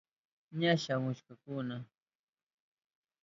Ña shamuhurkakuna.